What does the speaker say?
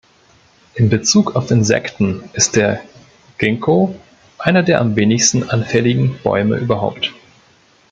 In Bezug auf Insekten ist der Ginkgo einer der am wenigsten anfälligen Bäume überhaupt.